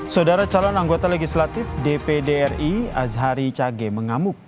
saudara calon anggota legislatif dpd ri azari cage mengamuk